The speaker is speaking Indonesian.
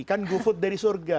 kan go food dari surga